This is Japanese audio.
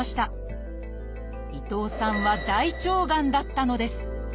伊藤さんは「大腸がん」だったのです。